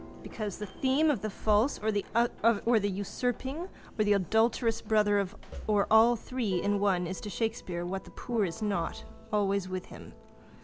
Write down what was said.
Because the theme of the false or the usurping or the adulterous brother or all three in one is to Shakespeare, what the poor are not, always with him.